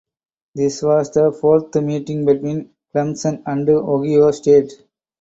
This was the fourth meeting between Clemson and Ohio State.